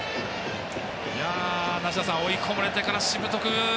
梨田さん、追い込まれてからしぶとく。